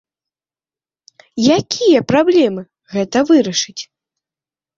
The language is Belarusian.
Якія праблемы гэта вырашыць?